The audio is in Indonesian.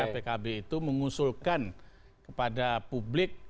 pkb itu mengusulkan kepada publik